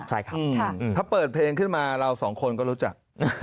ถ้าเปิดเพลงขึ้นมาเราสองคนก็รู้จัก